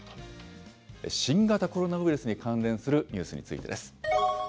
新型コロナウイルスに関連するニュースについてです。